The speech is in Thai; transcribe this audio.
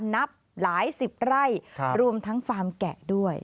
นับหลายสิบไร่รวมทั้งฟาร์มแกะด้วย